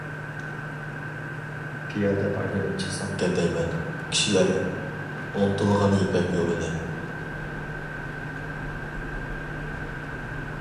پىيادە ئايلىنىپ چىقسامكەن دەيمەن، كىشىلەر ئۇنتۇلغان يىپەك يولىنى.